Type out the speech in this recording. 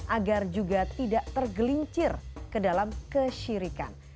agar juga tidak tergelincir ke dalam kesyirikan